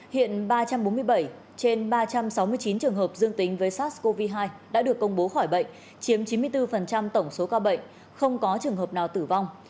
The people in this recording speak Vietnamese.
hiện ba trăm bốn mươi bảy trên ba trăm sáu mươi chín trường hợp dương tính với sars cov hai đã được công bố khỏi bệnh chiếm chín mươi bốn tổng số ca bệnh không có trường hợp nào tử vong